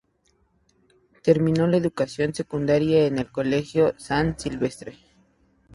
Terminó la educación secundaria en el Colegio San Silvestre.